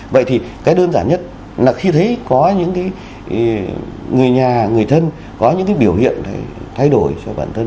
vậy thì cái đơn giản nhất là khi thấy có những người nhà người thân có những cái biểu hiện thay đổi cho bản thân